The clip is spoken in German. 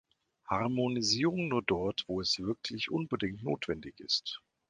Harmonisierung nur dort, wo es wirklich unbedingt notwendig ist.